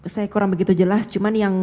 saya kurang begitu jelas cuma yang